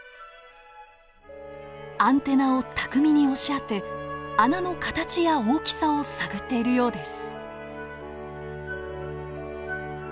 アンテナを巧みに押し当て穴の形や大きさを探っているようです。